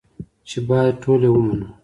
چې بايد ټول يې ومنو.